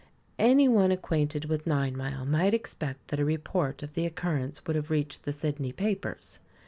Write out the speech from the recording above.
Anyone unacquainted with Ninemile might expect that a report of the occurrence would have reached the Sydney papers.